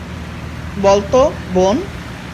বল তো, বোন।